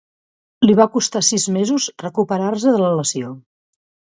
Li va costar sis mesos recuperar-se de la lesió.